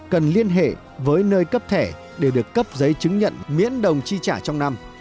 cần liên hệ với nơi cấp thẻ để được cấp giấy chứng nhận miễn đồng chi trả trong năm